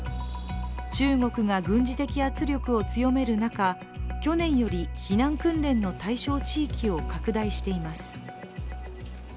中国が軍事的圧力を強める中避難訓練の対象地域を拡大しています。